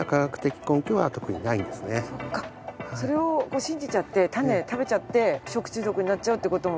それを信じちゃって種を食べちゃって食中毒になっちゃうって事も。